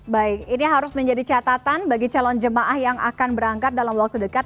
baik ini harus menjadi catatan bagi calon jemaah yang akan berangkat dalam waktu dekat